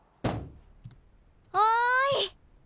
おい！